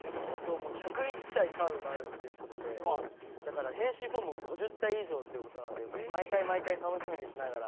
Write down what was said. １０１体カードがあるということでだから、変身フォームも５０体以上ってことなので毎回、楽しみにしながら。